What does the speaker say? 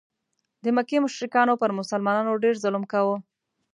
د مکې مشرکانو پر مسلمانانو ډېر ظلم کاوه.